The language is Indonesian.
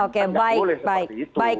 oke baik baik